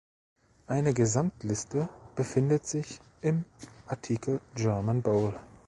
Eine Gesamtliste befindet sich im Artikel German Bowl.